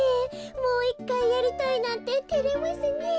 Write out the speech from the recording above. もういっかいやりたいなんててれますねえ。